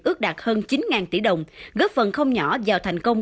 ước đạt hơn chín tỷ đồng góp phần không nhỏ vào thành công